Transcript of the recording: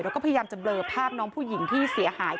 แล้วก็พยายามจะเบลอภาพน้องผู้หญิงที่เสียหาย